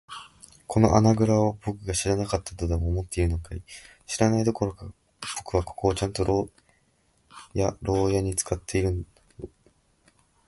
この穴ぐらをぼくが知らなかったとでも思っているのかい。知らないどころか、ぼくはここをちゃんと牢屋ろうやに使っていたんだよ。